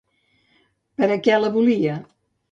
Per a què la volia?